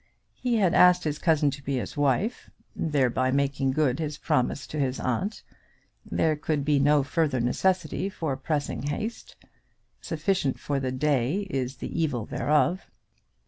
He had asked his cousin to be his wife, thereby making good his promise to his aunt. There could be no further necessity for pressing haste. Sufficient for the day is the evil thereof.